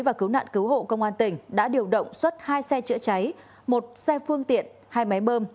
và cứu nạn cứu hộ công an tỉnh đã điều động xuất hai xe chữa cháy một xe phương tiện hai máy bơm